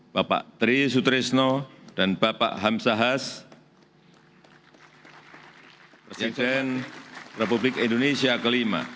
bapak tri sutresno dan bapak hamsa has presiden republik indonesia ke lima